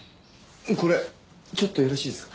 これちょっとよろしいですか？